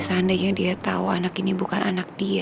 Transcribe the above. seandainya dia tahu anak ini bukan anak dia